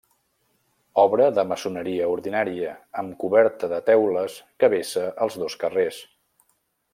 Obra de maçoneria ordinària, amb coberta de teules que vessa als dos carrers.